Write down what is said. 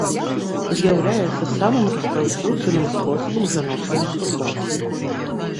З'яўляецца самым распаўсюджаным спосабам жаночай мастурбацыі.